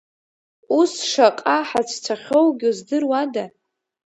Ус шаҟа ҳацәцахьоугьы здыруада…